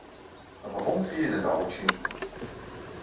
Bḍumt yid-nneɣ učči-nkent.